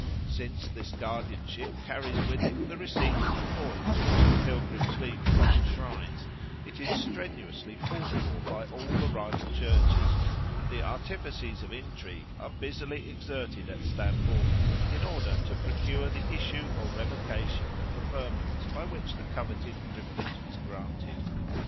Since this guardianship carries with it the receipt of the coins which the pilgrims leave upon the shrines, it is strenuously fought for by all the rival Churches, and the artifices of intrigue are busily exerted at Stamboul in order to procure the issue or revocation of the firmans by which the coveted privilege is granted.